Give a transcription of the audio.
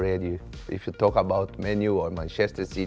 เว้าถึงข้อมันมันเชสเตอร์ชัลซี